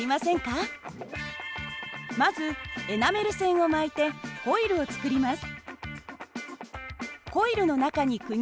まずエナメル線を巻いてコイルを作ります。